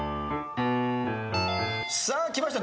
さあきました。